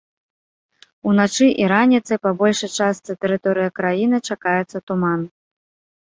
Уначы і раніцай па большай частцы тэрыторыі краіны чакаецца туман.